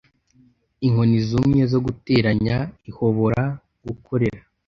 inkoni zumye zo guteranya ihobora gukorera